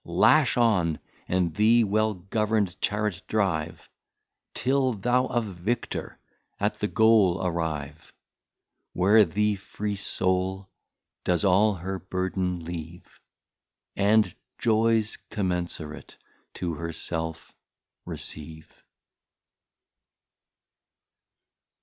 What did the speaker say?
Lash on, and the well govern'd Charret drive, Till thou a Victor at the Goal arrive, Where the free Soul does all her burden leave, And Joys commensurate to her self receive.